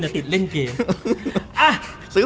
ทีมละ๓ไบเลย